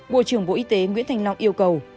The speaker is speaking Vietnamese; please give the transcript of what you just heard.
bộ trưởng bộ y tế nguyễn thành long yêu cầu